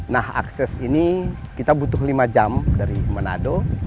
nah akses ini kita butuh lima jam dari manado